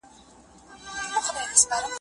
په دې پاڼو د ګلونو لمبې تاو شوې